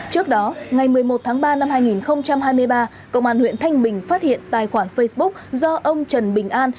trước đó ngày một mươi một tháng ba năm hai nghìn hai mươi ba công an huyện thanh bình phát hiện tài khoản facebook do ông trần bình an